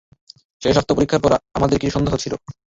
শেষ স্বাস্থ্য পরীক্ষার পর আমাদের কিছু সন্দেহ ছিল।